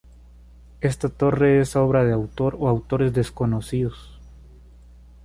Esta torre es obra de autor o autores desconocidos.